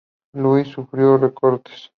Louis sufrió recortes.